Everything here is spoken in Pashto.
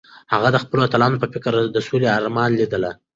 هغه د خپلو اتلانو په فکر کې د سولې ارمان لیده.